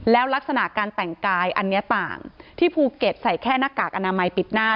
แล้วลักษณะการแต่งกายอันนี้ต่างที่ภูเก็ตใส่แค่หน้ากากอนามัยปิดหน้า